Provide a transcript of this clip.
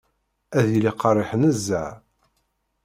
Ad yili qerriḥ nezzeh.